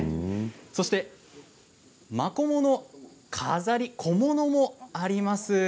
そしてマコモの飾り小物もあります。